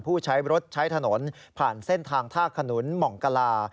ผู้ใช้รถใช้ถนนผ่านเส้นทางท่าขนุนหม่องกลา